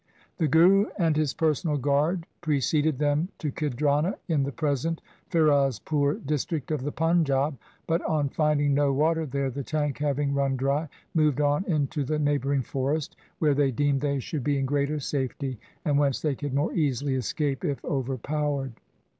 The Guru and his personal guard preceded them to Khidrana in the present Firozpur district of the Panjab, but on finding no water there, the tank having run dry, moved on into the neighbouring forest, where they deemed they should be in greater safety, and whence they could more easily escape if overpowered.